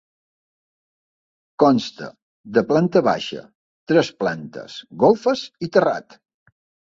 Consta de planta baixa, tres plantes, golfes i terrat.